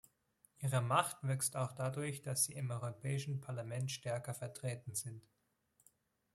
Ihre Macht wächst auch dadurch, dass sie im Europäischen Parlament stärker vertreten sind.